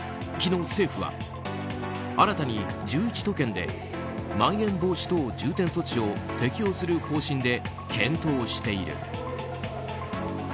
昨日、政府は新たに１１都県でまん延防止等重点措置を適用する方針で検討している。